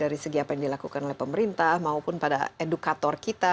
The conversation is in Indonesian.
dari segi apa yang dilakukan oleh pemerintah maupun pada edukator kita